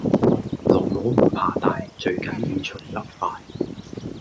綠帽唔怕戴最緊要除得快